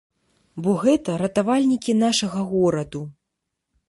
Бо гэта ратавальнікі нашага гораду.